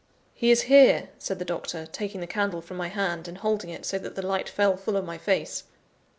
"He is here," said the doctor, taking the candle from my hand, and holding it, so that the light fell full on my face.